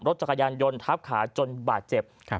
รถจักรยานยนต์ทับขาจนบาดเจ็บ